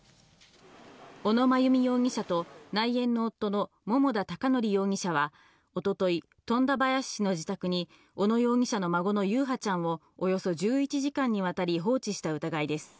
小野真由美容疑者と内縁の夫の桃田貴徳容疑者は、おととい、富田林市の自宅に、小野容疑者の孫の優陽ちゃんをおよそ１１時間にわたり放置した疑いです。